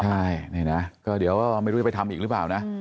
ใช่นี่นะก็เดี๋ยวก็ไม่รู้จะไปทำอีกหรือเปล่านะ